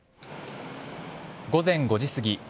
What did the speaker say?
午前５時すぎ